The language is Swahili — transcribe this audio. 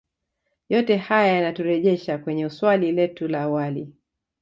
Yote haya yanaturejesha kwenye swali letu la awali